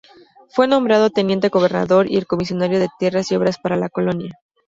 Fue nombrado Teniente Gobernador y el Comisionado de Tierras y Obras para la colonia.